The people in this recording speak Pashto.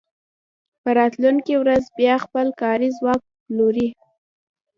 په راتلونکې ورځ بیا خپل کاري ځواک پلوري